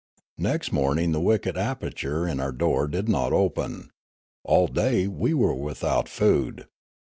Next morning the wicket aperture in our door did not open. All day we were without food.